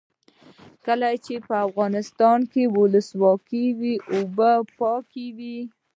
کله چې افغانستان کې ولسواکي وي اوبه پاکې وي.